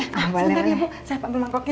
sebentar ya bu saya ambil mangkok ya